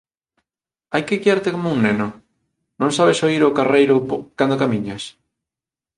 “Hai que guiarte coma un neno? Non sabes oír o carreiro cando camiñas?